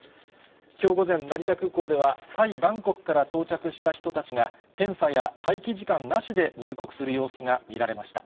きょう午前、成田空港ではタイ・バンコクから到着した人たちが、検査や待機時間なしで入国する様子が見られました。